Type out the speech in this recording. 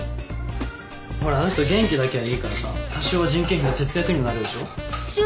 ほらあの人元気だけはいいからさ多少は人件費の節約にもなるでしょ？